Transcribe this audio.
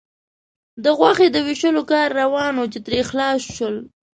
د غوښې د وېشلو کار روان و، چې ترې خلاص شول.